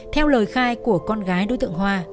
theo lời khai của con gái đối tượng hoa